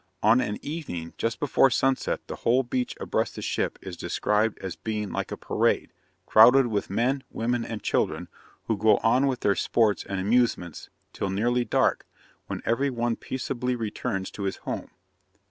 On an evening, just before sunset the whole beach abreast the ship is described as being like a parade, crowded with men, women, and children, who go on with their sports and amusements till nearly dark, when every one peaceably returns to his home.